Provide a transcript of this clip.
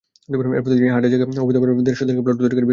এরপর তিনি হাটের জায়গা অবৈধভাবে দেড় শতাধিক প্লট তৈরি করে বিক্রি করেন।